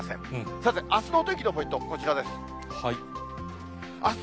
さて、あすのお天気のポイント、こちらです。